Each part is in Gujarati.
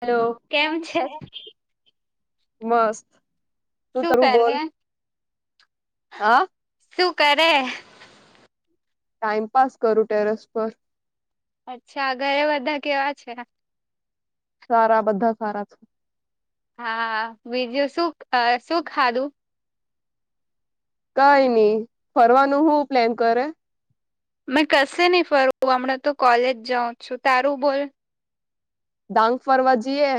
Hello hello. કે કેમ છે? મસ્ત તું શું તરું બોલ કરે? હા શું કરે ટાઈમપાસ કરું ટેરસ પર અચ્છા ઘરે બધા કેવા છે સારા બધા સારા છે હા બીજું શ શું ખાધું કઈ નઈ ફરવાનું શું પ્લેન કરે મેં કશે નહી ફરવુ હમણાં તો કોલેજ જાઉં છું તારું બોલ- ડાંગ ફરવા જઈએ.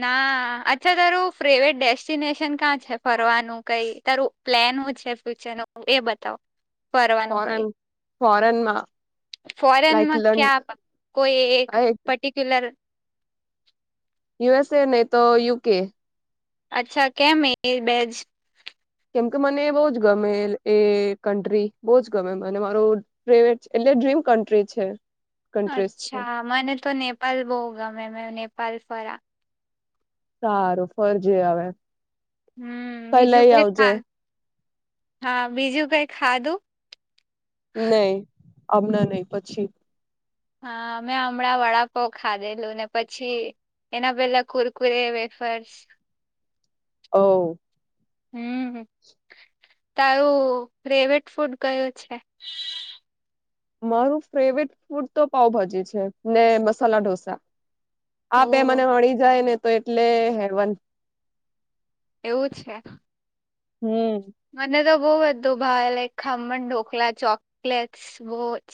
ના અચ્છા તારું ફ્રેવેટ ડેસ્ટિનેશન કા છે ફરવાનું કઈ તારું- પ્લેન છે હુ ફ્યુચર નું એ બતાવો. ફોરેન ફોરેનમાં લાઈક ફોરેનમાં લં ક્યાં કોઈ એક પર્ટિક્યુલર યુએસએ નહી તો યુકે અચ્છા કેમ એ બેજ કેમ કે મને બઉજ ગમે એ કન્ટ્રી બઉજ ગમે મને મારો પ્રવેટ એટલે ડ્રીમ કન્ટ્રી છે. કન્ટ્રીઝ છે અચ્છા મને તો નેપાલ બઉ મેં મે નેપાલ ફરા સારું ફરજે હવે. હમ બીજું લઈ કઈ આવજે ખા હા બીજું કઈ ખાધું. નહી આમણાં નહી પછી હા મે હમણાં વડાપાઉ ખાધેલું ને પછી. એના પેલા કુરકુરે, વેફર્સ. ઓ હમ્મ તારું ફ્રેવેટ ફૂડ કયું છે? મારું ફ્રેવેટ ફૂડ તો પાઉભાજી છે ને મસાલા ઢોસા. આ બે મને ઓહ વી જાય ને તો એટલે હેવન. એવું છે. હમ્મ મને તો બહુ બધું ભાવ લાઈક ખમણ, ઢોકલા, ચોકલેટ બઉજ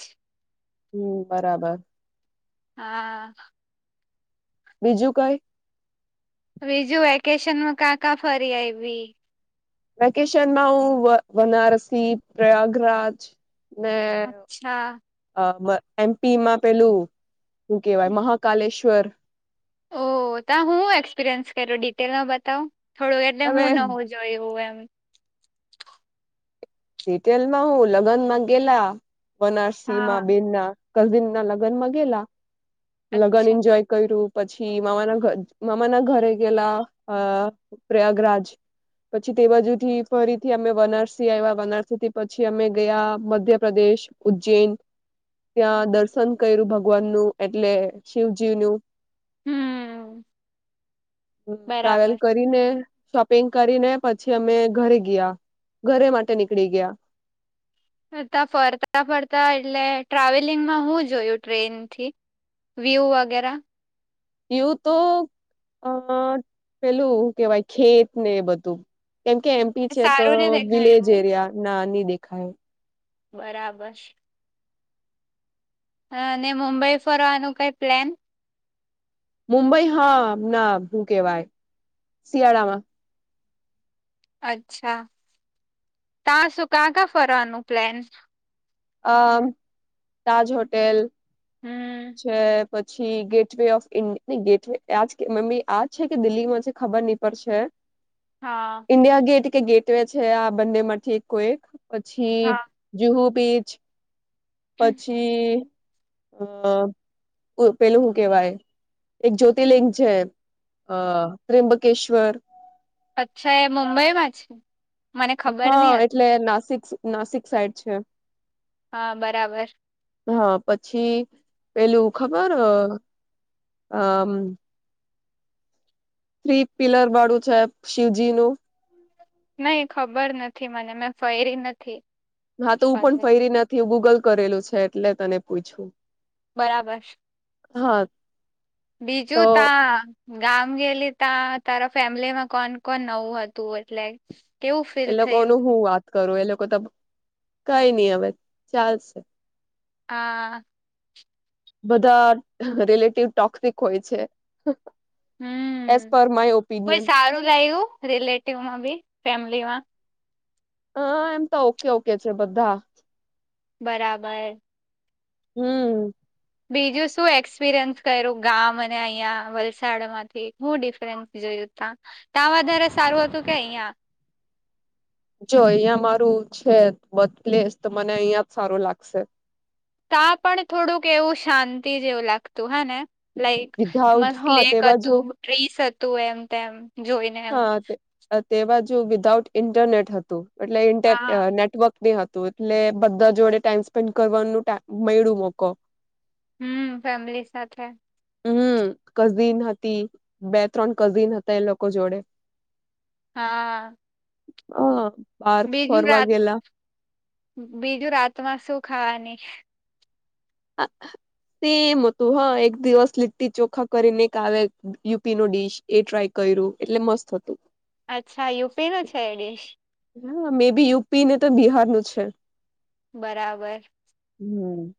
હમ્મ બરાબર હા બીજું કઈ. બીજું વેકેશનમાં કા કા ફરી આઈવી. વેકેશનમાં હું વ-વનારસી, પ્રયાગરાજ ને અચ્છા અ એમપી માં પેલું શું કેવાય મહાકાલેશ્વર ઓ તા હું એક્સપિરિયન્સ કર્યો ડિટેલમાં બતાવ થોડું એટલે હવે હું ન હોઉ? જોયું એમ. ડિટેલમાં હું લગ્નમાં ગેલા બનારસી હા માં બીરના. કઝીન ના લગ્ન માં ગેલા લગન અચ્છા એન્જોય- કર્યું પછી મામાના ઘ-મામા ના ઘરે ગયેલા અ પ્રયાગરાજ પછી તે બાજુ થી ફરીથી અમે વનારસી આઈવા- બનારસીથી પછી અમે ગયા મધ્યપ્રદેશ, ઉજ્જૈન ત્યાં દર્શન કર્યું ભગવાન નું એટલે શિવજી નું. હમ હમ ટ્રાવેલ બરાબર ક કરીને શોપિંગ કરીને પછી અમે ઘરે ગયા ઘરે માટે નીકળી ગયા. તા ફરતા ફરતા એટલે ટ્રાવેલિંગમાં હું જોયું ટ્રેન થી. વ્યું વગેરા એવું તો અ પેલું કેવાય ખેત ને બધું કેમ કે એમ- પીછેે તો સારું ને દેખાય વિલેજ એવું એરિયા ના ની દેખાયો. બરાબર અને મુંબઈ ફરવાનું કઈ પ્લેન? મુંબઈ હા ના હૂ કેવાય શિયાળામાં. અચ્છા તા શું કાં કાં ફરવાનું પ્લેન. અ તાજ હોટેલ- હમ. છે. પછી gateway of India gateway આજ મમ્મી આજ છે કે દિલ્હીમાં છે ખબર નની પડશે. હા. ઇન્ડિયા ગેટ કે ગેટવે છે આ બંને માંથી એક કોઈ એક. પછી હા જુહુ બીચ પછી. અ પેલું શું કેવાય. એક જ્યોતિર્લિંગ છે અ ત્ર્યબકેશ્વર. અચ્છા એ મુંબઈમાં છે. મને ખબર હા નહ હતી એટલે નાસિક નાસિક સાઈડ છે. હા બરાબર. હા પછી પેલું ખબર આ. થ્રી પિલર બાળું છે શિવજી નું. નહી ખબર નથી મને મેં ફૈરી નથી. હા તો હું પણ ફૈરી નથી ગૂગલ કરેલું છે એટલે તને પૂછું બરાબર છે. હા. તો બીજું ત. ગામ ગેલી ત્યા તારા ફેમિલી માં કોણ કોણ નવું હતું એટલે. કેવું ફીલ એ થયું. લોકોનું હું વાત કરું એ લોકો ત કઈ નઈ હવે ચાલશે. હા. બધા રિલેટિવ ટોકિક હોય છે. હમ એઝ પર માય કોઈ ઓપિનિયન સારું લાવ્યું રિલેટિવમાં બી ફેમિલીમાં. હ એમ તો ઓકે ઓકે છે બધા બરાબર. હમ. બીજું શું એક્સપિરિયન્સ કર્યું ગામ અને અહીંયા વલસાડમાંથી હું ડિફરન્સ. જોયું ત્યા ત્યાં વધારે સારું હતું કે અહિયાં. જો અહિયાં મારું છે બ પ્લેસ તો મને અહિયાં જ સારું લાગશે. ત્યા પણ થોડુંક એવું શાંતિ જેવું લાગતું હે ને. લાઈક વિધાઉટ મસ્ત હા તે લેક બાજુ હતું ટ્રીસ હતું એમ તેમ. જોઈને એમ હા તે બાજુ વિધાઉટ ઇન્ટરનેટ હતું એટલે ઇ હા નેટવર્ક. ન હતું એટલે બધા જોડે ટાઈમ સ્પેન્ડ કરવાનું મળડું મોકો. હમ ફેમિલી સાથે. હમ કઝિન હતી બે ત્રણ કઝિન હતા એ લોકો જોડે. હા. હ. બાર બીજું ફરવા રાત ગેલા બીજું રાતમાં શું ખાવાની હા તેમ હતું હા એક દિવસ લીટટી ચોખા કરી નેક આવે યુપી ન ડીશ એ ટ્રાય કર્યું એટલે મસ્ત હતું. અચ્છા યુપે નો છે એ ડેશ. હા મે બી યુપી ને તો બિહારનું છે બરાબર. હમ.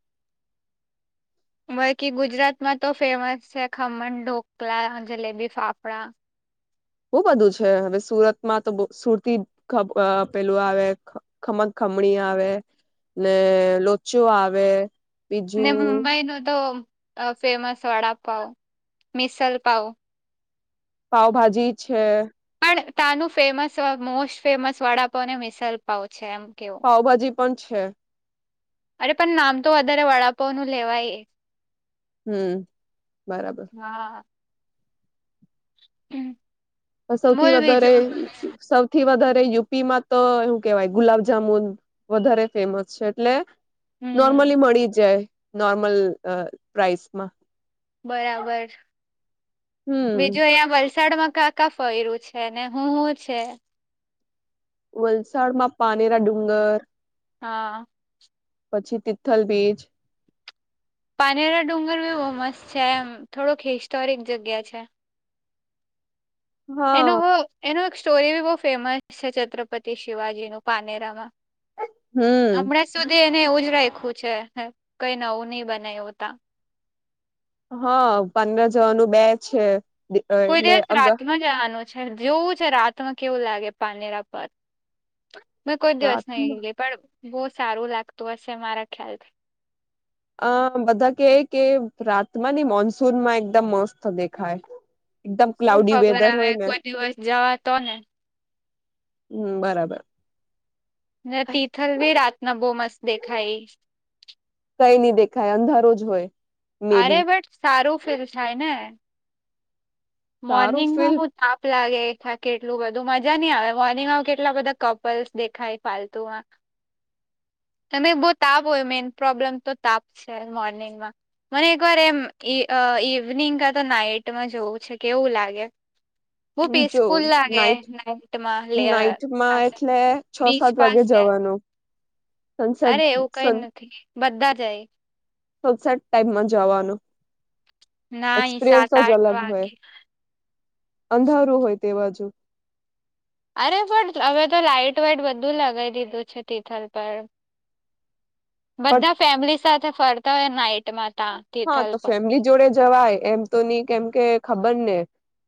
બાકી ગુજરાત માં તો ફેમસ છે ખમણ ઢોકલા જલેબી ફાફડા. બઉુ બધું છે હવે સુરતમાં તો બ સુરતી પેલું આવે. ખમ ખમણી આવે ને લોચો આવે. ને બીજું મુંબઈ નો તો ફેમસ વડાપાવ મિસલ પાાવ. પાઉભાજી છે. પણ તનું ફેમસ મોસ્ટ ફેમસ વડાપાવ ને મિસલપાવ છે એમ કેવો. પાઉભાજી પણ છે. અરે પણ નામ તો વધારે વડાપ નું લેવાય હમ બરાબર હા હમ સૌથી વધારે સૌથી વધારે યુપી માં તો એવું કેવાય ગુલાબજામુન વધારે ફેમસ છે એટલે હમ નોર્મલી મળી જાય નોર્મલ પ્રઇસમાં બરાબર હમ બીજું અહિયાયા વલસાડમાં કા કફયરું છે ને હું હું છે વલસાડમાં પાનેરા ડુંગર હા પછી તિથલ બીજ પાનેરા ડુંગર બી બહુ મસ્ત છે એમ થોડોક હિસ્ટોરિક જગ્યા છે હા એનોવ એનો એક સ્ટોરી બી બહુ ફેમસ છે છત્રપતિ શિવાજી નું પાનેરામાં હમ હમણાં સુધી એને એવું જ રાખવ છે કઈ નવું નઈ બના્યું ત હા પંદર જવાનું બે છે કોઈ એટલે દિવસ અગ રાતમાં જવાનું છે જોવું છે રાતમાં કેવું લાગે પાનેરા પર મેં કોઈ દિવસ રાતમાં નહી ગલી પણ બહુ સારું લાગતું હશે મારા ખ્યાલથી અ બધા કે કે રાતમાં ને મોનસૂન માં એકદમ મસ્ત દેખાય એકદમ શું ક્લાઉડી ખબર વેધર હ હોય ને કોઈ દિવસ જવા તો ને હમ બરાબર ના તિથલ બી રાત ન બો મસ્ત દેખાઈ કઈ નહી દેખાય અંધારો જ હોય મે અરે બી ભટ સારું ફીલ થાય ને સારું ફીલ મોર્નિંગમાં થાપ લાગેા કેટલું બધું મજા નહી આવે મોર્નિંગમાં કેટલા બધા કપલ્સ દેખાય ફાલતુ ત બહ તાપ હોય મેન પ્રોબ્લેમ તો તાપ છે મોર્નિંગમાં મને એક વાર એમ ઈવનિંગ ક તો નાઈટમાં જોવું છે કેવું લાગે [inaudible] બ જો પીસફુલ લાગે નાઈટ નાઈટમાં નાઈટમાં પાસે એટલે છ બીચ સાત વાગે પાસે જવાનું સનસેટ અરે એવું કઈ સન નથી બધા જ એ સસાટ ટાઈમમાં જવાનું ના એક્સપિરિયન્સ સાત જ આઠ અલગ હોય વાગે અંધારું હોય તે બાજુ અરે પણ હવે તો લાઈટ વાઈટ બધું લગાવી દીધું છે તિથલ પર પણ બધા ફેમિલી સાથે ફરતા હોય નાઈટમાં ત હા તો ફેમિલી જોડે જવાય એમ તો નની કેમ કે ખબર ને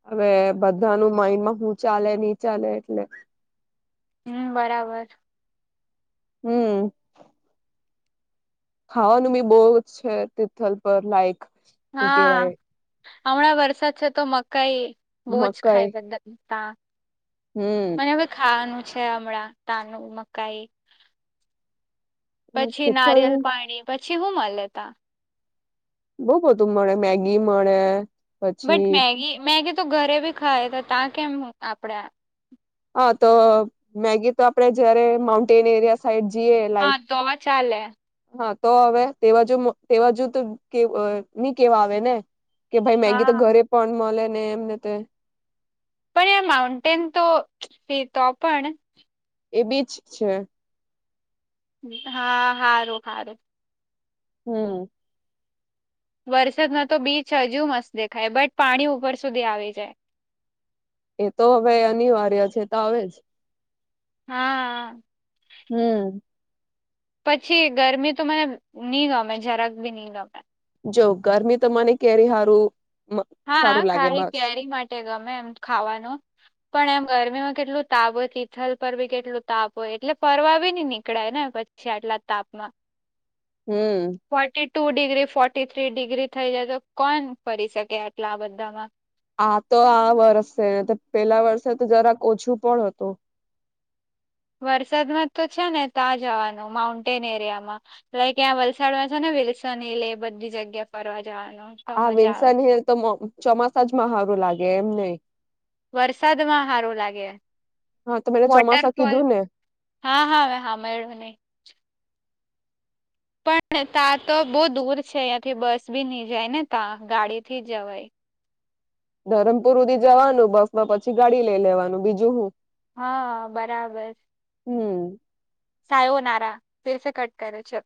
હવે બધા ન માઈન્ડમાં હું ચાલે ની ચાલે એટલે હમ બરાબર હમ ખાવાનું બી બહુ જ છે તિથલ પર લાઇક હા હમણાં વરસાદ છે તો મકાઈ બહુ જ મકાઈ ખાય બધા તા હમ મને હવે ખાવાનું છે હમણાં તાનું મકાઈ પછી તિથલ નારિયલ પાણી પછી શું મળ લેતા બઉુ બધું મળે મેગી મળે. બટ પછી મેગી મેગી તો ઘરે ભી ખાાય ત તાં કેમ આપણે. હા તો મેગી તો આપડે જયારે માઉન્ટેન એરિયા સાઈડ જીએ લઇક હા તો ચાલે હા તો હવે તે બાજુ તે બાજુ તો કે ની કેવા આવે ને કે ભાઈ મેગી તો હા ઘરે પણ મળે ને એમને તો પણ એ માઉન્ટન્ટેન તો ફી તો પણ એ બીચ છે હા હારું હાર. હમ. વરસાદમાં તો બીચ હજુ મસ્ત દેખાય બટ પાણી ઉપર સુધી આવી જાય. એ તો હવે અનિવાર્ય છે એતો આવેજ. હા હમ પછી ગરમી તો મને નહી ગમે જરાક ભી નહી ગમે. જો ગરમી તો મને કે્યારે સારું. હા લાગે ખાાઈ બસ કેરી માટે ગમે એમ ખાવાનું. પણ એમ ગરમીમાં કેટલું તાપ હોય તિથલ પર બી કેટલું તાપ હોય એટલે ફરવા બી ન નીકળે ને પછી. છે આટલા તાપમાં. હમ forty two degree forty three degree થઈ જાય તો કોણ ફરી શકે આટલા આ બધામાં. આ તો આ વર્ષે પેલા વર્ષે તો જરાક ઓછું પણ હતું. વરસાદમાં તો છે ને ત્યાં જવાનું માઉન્ટેન એરિયામાં. લાઈક ત્યાં વલસાડમાં છેો ને વેલસ હલે એ બધી જગ્યા ફરવા જવાનું. તો આ મજા આવે વિન્સન હિલ તો ચોમાસા જમાં સારું લાગે એમ નહ. વરસાદમાં સારો લાગે હા તો મેને ચોમાસા વોટરફોલ. કીધું ને હા હા હા મેળુંને પણ ત્યાં તો બહુ દૂર છે અહંથી બસ બી નહી જાય ને ત્યા ગાડી થી જવાય. ધરમપુર સુધી જવાનું બસ માં પછી ગાડી લઈ લેવાનું બીજું હું. હા બરાબર. હમ સાાયો નારા ફેરસે કટ કરે છે.